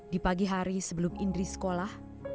di pagi hari sebelum indri sekolah